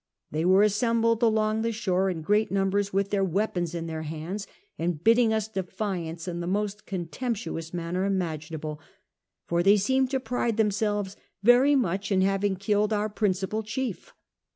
They were assembled along the shore in great numbers, with their weiipoiis in their hands and bidding us defiance in the most contemptuous manner imaginable ; for they seemed to pride themselves very much in having killed our j>riiicipal chief.